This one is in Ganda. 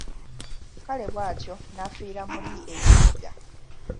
Kale bwatyo n’afiira muli ekiniga.